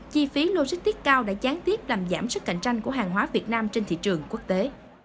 chi phí logistics cao đã gián tiếp làm giảm sức cạnh tranh của hàng hóa việt nam trên thị trường quốc tế